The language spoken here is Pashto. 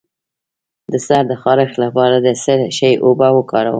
د سر د خارښ لپاره د څه شي اوبه وکاروم؟